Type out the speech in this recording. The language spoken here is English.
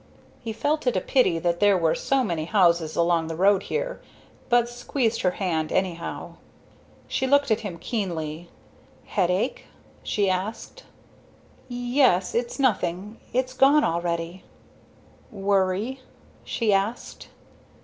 He felt it a pity that there were so many houses along the road here, but squeezed her hand, anyhow. She looked at him keenly. "Headache?" she asked. "Yes; it's nothing; it's gone already." "Worry?" she asked.